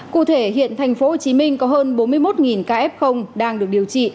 cụ thể hiện thành phố hồ chí minh có hơn bốn mươi một ca f đang được điều trị